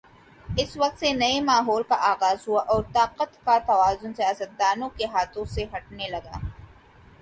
اس وقت سے نئے ماحول کا آغاز ہوا اور طاقت کا توازن سیاستدانوں کے ہاتھوں سے ہٹنے لگا۔